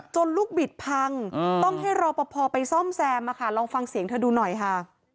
ลูกบิดพังต้องให้รอปภไปซ่อมแซมลองฟังเสียงเธอดูหน่อยค่ะ